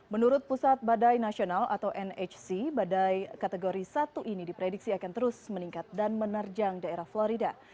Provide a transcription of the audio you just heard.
menurut pusat badai nasional atau nhc badai kategori satu ini diprediksi akan terus meningkat dan menerjang daerah florida